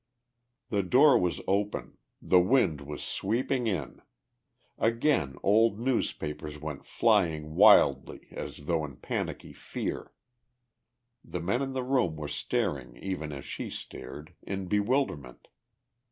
The door was open; the wind was sweeping in; again old newspapers went flying wildly as though in panicky fear. The men in the room were staring even as she stared, in bewilderment.